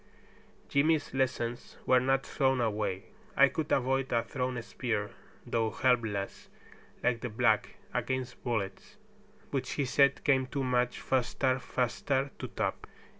Jimmy's lessons were not thrown away. I could avoid a thrown spear, though helpless, like the black, against bullets, which he said came "too much faster faster to top."